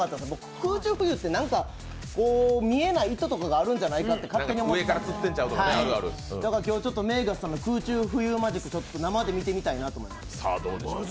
空中浮遊って、何か見えない糸とかがあるんじゃないかと思って、今日はＭＡＧＵＳさんの空中浮遊マジックを生で見てみたいなと思って。